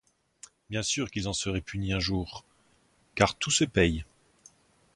Bien sûr qu'ils en seraient punis un jour, car tout se paie.